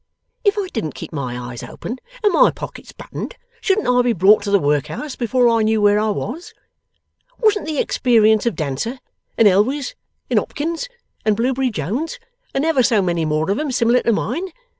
If I didn't keep my eyes open, and my pockets buttoned, shouldn't I be brought to the workhouse before I knew where I was? Wasn't the experience of Dancer, and Elwes, and Hopkins, and Blewbury Jones, and ever so many more of 'em, similar to mine?